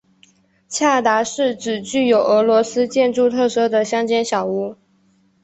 达恰是指具有俄罗斯建筑特色的乡间小屋。